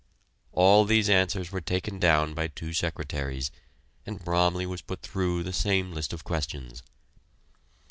All these answers were taken down by two secretaries, and Bromley was put through the same list of questions.